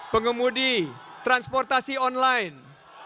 pengemudi transportasi online